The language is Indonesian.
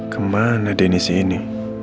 kemana denis ini